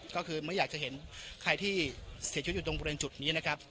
ก็คือไม่อยากจะเห็นใครที่เสียชีวิตอยู่ตรงบริเวณจุดนี้นะครับ